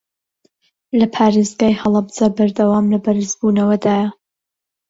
لە پارێزگای هەڵەبجە بەردەوام لە بەرزبوونەوەدایە